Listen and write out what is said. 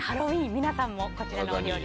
皆さんもこちらのお料理